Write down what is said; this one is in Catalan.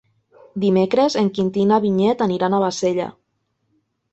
Dimecres en Quintí i na Vinyet aniran a Bassella.